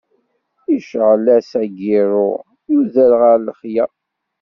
Yecεel-as igiṛṛu, yuder ɣer lexla.